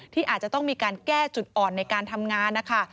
ที่อาจจะต้องมีการแก้จุดอ่อนในการทำงานนะคะ